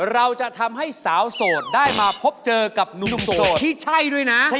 เราจะทำให้สาวโสดได้มาพบเจอกับหนุ่มโสดที่ใช่ด้วยนะ